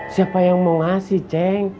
siapa yang mau ngasih ceng